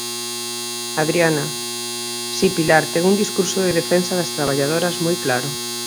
Adriana: Si, Pilar ten un discurso de defensa das traballadoras moi claro.